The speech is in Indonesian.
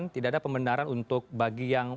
tidak ada pembenaran untuk bagi yang